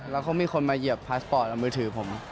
แล้วเขามีคนมาเหยียบพาสปอร์ตเอามือถือผม